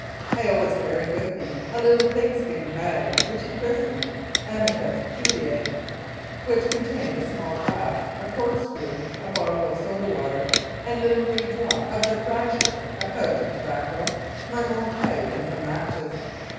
I always carried with me a little pig skin bag, which he christened "amicus curice," which con tained a small glass, a corkscrew, a bottle of soda water, a little wee drop of the "cratur," a pouch of tobacco, my own pipe and some matches.